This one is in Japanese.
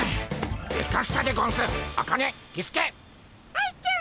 愛ちゃん